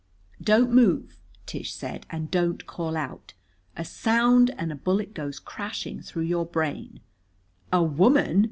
"Don't move," Tish said, "and don't call out. A sound, and a bullet goes crashing through your brain." "A woman!"